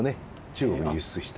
中国に輸出した。